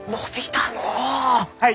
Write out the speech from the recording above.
はい。